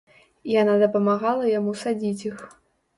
Яна памагала яму садзіць іх.